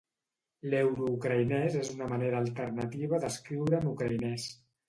L'euroucraïnès és una manera alternativa d'escriure en ucraïnès.